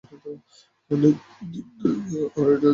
লেজের দিকটা জড়াইয়া গেল তাহার পায়ে।